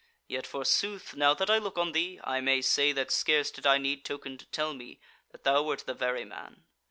Yet forsooth, now that I look on thee, I may say that scarce did I need token to tell me that thou wert the very man.